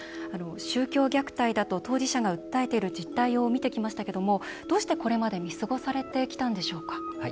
宗教虐待だと当事者が訴えている実態を見てきましたがどうして、これまで見過ごされてきたんでしょうか？